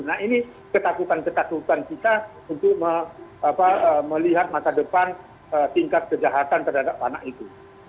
nah ini ketakutan ketakutan kita untuk melihat masa depan tingkat kejahatan terhadap anak itu